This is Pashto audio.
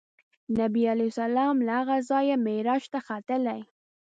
نبي علیه السلام له هغه ځایه معراج ته ختلی.